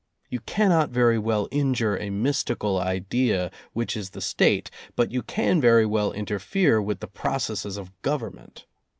You can not very well injure a mystical idea which is the State, but you can very well interfere with the processes of Government.